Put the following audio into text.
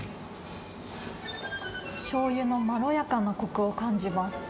しょうゆのまろやかなこくを感じます。